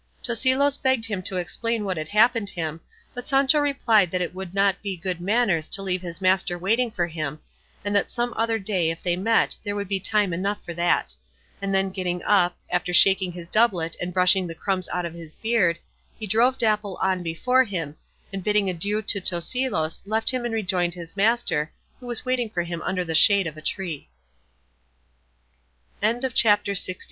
Tosilos begged him to explain what had happened him, but Sancho replied that it would not be good manners to leave his master waiting for him; and that some other day if they met there would be time enough for that; and then getting up, after shaking his doublet and brushing the crumbs out of his beard, he drove Dapple on before him, and bidding adieu to Tosilos left him and rejoined his master, who was waiting for him under the shade of a tree. CHAPTER LXVII.